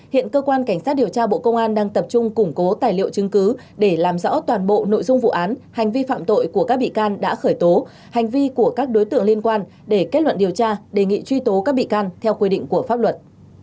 hiện cơ quan cảnh sát điều tra bộ công an đang tập trung củng cố tài liệu chứng cứ để làm rõ toàn bộ nội dung vụ án hành vi phạm tội của các bị can đã khởi tố hành vi của các đối tượng liên quan để kết luận điều tra đề nghị truy tố các bị can theo quy định của pháp luật